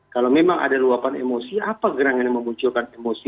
kalau memang ada luapan emosi apa gerangan yang memunculkan emosi